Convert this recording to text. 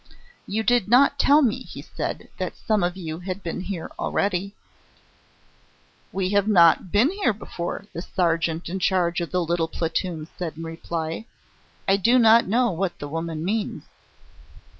"You did not tell me," he said, "that some of you had been here already." "We have not been here before," the sergeant in charge of the little platoon said in reply. "I do not know what the woman means."